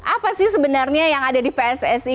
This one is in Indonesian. apa sih sebenarnya yang ada di pssi